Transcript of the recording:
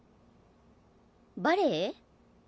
バレエ？